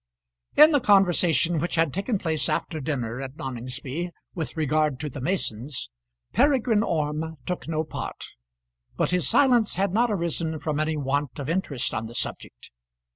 In the conversation which had taken place after dinner at Noningsby with regard to the Masons Peregrine Orme took no part, but his silence had not arisen from any want of interest on the subject.